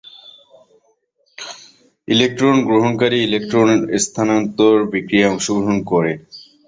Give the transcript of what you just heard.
Electron গ্রহণকারী ইলেকট্রন-স্থানান্তর বিক্রিয়ায় অংশগ্রহণ করে।